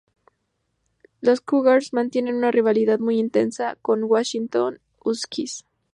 Los Cougars mantienen una rivalidad muy intensa con Washington Huskies.